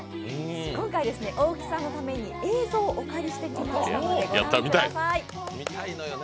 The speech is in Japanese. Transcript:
今回、大木さんのために映像をお借りしてきました。